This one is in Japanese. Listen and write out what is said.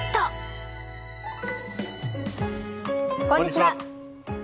こんにちは。